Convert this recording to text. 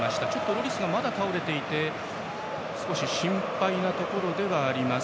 ロリス、まだ倒れていて少し心配なところです。